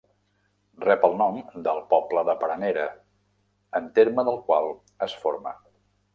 Rep el nom del poble de Peranera, en terme del qual es forma.